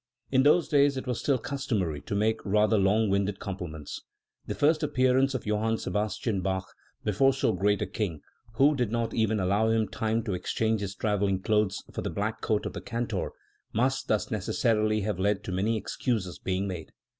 In those days it was still customary to make rather long winded compliments. The first appearance of Johann Sebastian Bach before so great a king, who did not even allow him time to exchange his travelling clothes for the black coat of the cantor, must thus necessarily have led to many excuses being made.